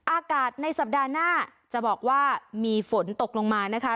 อากาศในสัปดาห์หน้าจะบอกว่ามีฝนตกลงมานะคะ